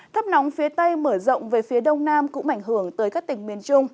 thấp nóng phía tây mở rộng về phía đông nam cũng ảnh hưởng tới các tỉnh miền trung